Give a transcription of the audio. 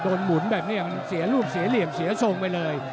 หมุนแบบนี้มันเสียลูกเสียเหลี่ยมเสียทรงไปเลย